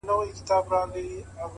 هينداره وي چي هغه راسي خو بارانه نه يې؛